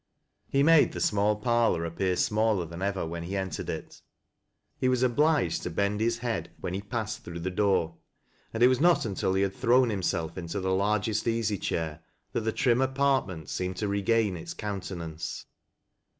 He made the small parlor appear smaller than ever, when he entered it. He was obliged to bend his head when he passed through the door, and it was no* until he had thrown himself into the largest easy ch?.ir, that the trim apartment seemed to regain its countenance.